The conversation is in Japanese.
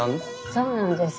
そうなんです。